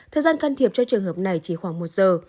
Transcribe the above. thời gian can thiệp cho trường hợp này chỉ khoảng một giờ